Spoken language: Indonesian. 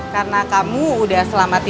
karena kamu udah selamat berdua